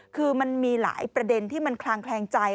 คือมันมีหลายประเด็นที่มันคลางแคลงใจ